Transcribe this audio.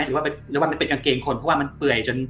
หรือว่าเรียกว่ามันเป็นกางเกงคนเพราะว่ามันเปื่อยจน